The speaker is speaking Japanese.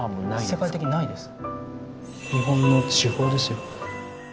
世界的にないです。